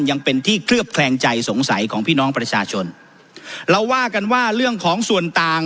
ยังเป็นที่เคลือบแคลงใจสงสัยของพี่น้องประชาชนเราว่ากันว่าเรื่องของส่วนต่าง